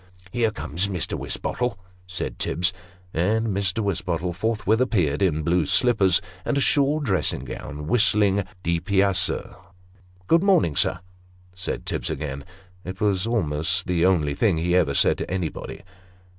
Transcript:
" Here comes Mr. Wisbottle," said Tibbs ; and Mr. Wisbottle forth with appeared in blue slippers, and a shawl dressing gown, whistling " Di piacer" " Good morning, sir," said Tibbs again. It was almost the only thing he ever said to anybody.